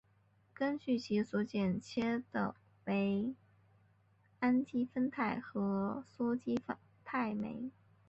根据其所剪切肽链末端为氨基端或羧基端又可分为氨基肽酶和羧基肽酶。